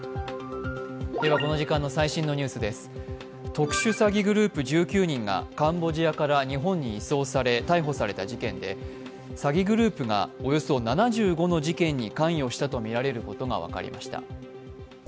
特殊詐欺グループ１９人がカンボジアから日本に移送され逮捕された事件で詐欺グループがおよそ７５の事件に関与したとみられることが分かりました。